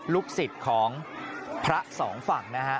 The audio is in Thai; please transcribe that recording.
ลูกศิษย์ของพระสองฝั่งนะฮะ